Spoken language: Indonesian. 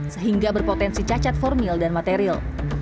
sehingga berpotensi cacat formil dan material